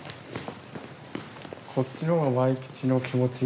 こっちの方がまいきちの気持ち？